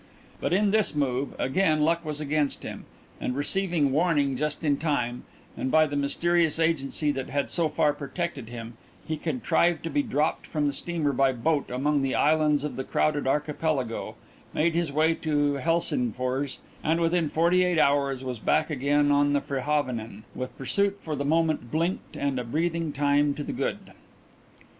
But in this move again luck was against him and receiving warning just in time, and by the mysterious agency that had so far protected him, he contrived to be dropped from the steamer by boat among the islands of the crowded Archipelago, made his way to Helsingfors and within forty eight hours was back again on the Frihavnen with pursuit for the moment blinked and a breathing time to the good.